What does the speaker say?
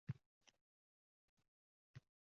Nukus Xalqaro baxshichilik san’ati festivali arafasida